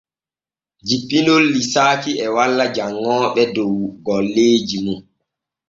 Jippinol liisaaki e walla janŋooɓe dow golleeji mum.